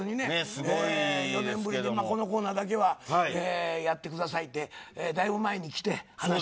４年ぶりにこのコーナーだけはやってくださいって話、だいぶ前にきて。